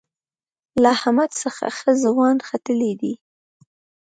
له احمد څخه ښه ځوان ختلی دی.